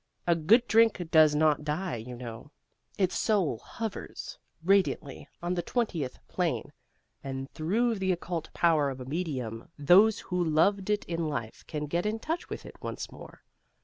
A good drink does not die, you know: its soul hovers radiantly on the twentieth plane, and through the occult power of a medium those who loved it in life can get in touch with it once more.